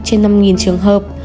trên năm trường hợp